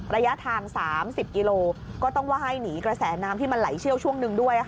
ระยะทาง๓๐กิโลก็ต้องว่าให้หนีกระแสน้ำที่มันไหลเชี่ยวช่วงหนึ่งด้วย